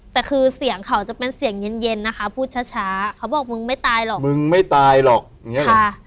แต่คือเสียงเขาจะเป็นเสียงเย็นเย็นนะคะพูดช้าเขาบอกมึงไม่ตายหรอกมึงไม่ตายหรอกอย่างเงี้เหรอ